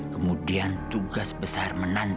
kemudian tugas besar menantangnya